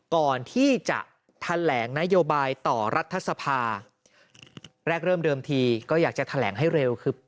ก่อนที่จะแถลงนโยบายต่อรัฐสภาแรกเริ่มเดิมทีก็อยากจะแถลงให้เร็วคือ